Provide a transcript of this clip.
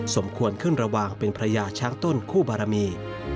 สมควรขึ้นระหว่างเป็นพระยาช้างต้นคู่บารมี